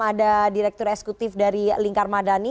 ada direktur eksekutif dari lingkar madani